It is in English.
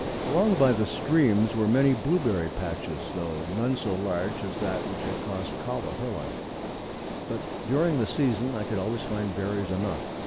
Along by the streams were many blueberry patches, though none so large as that which had cost Kahwa her life; but during the season I could always find berries enough.